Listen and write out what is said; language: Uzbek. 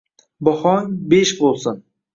Bahong “besh” bo’lsin!